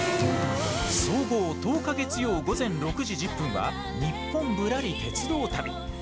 総合１０日月曜午前６時１０分は「ニッポンぶらり鉄道旅」。